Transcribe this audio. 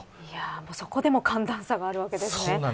そこでも寒暖差があるんですね。